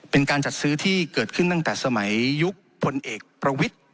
เป็นการจัดซื้อที่เกิดขึ้นตั้งแต่สมัยยุคพลเอกประวิทธิ์